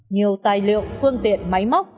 nhiều tài liệu phương tiện máy móc